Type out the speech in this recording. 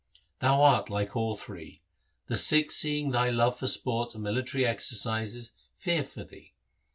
Thou art like all three. The Sikhs seeing thy love for sport and mili tary exercises fear for thee.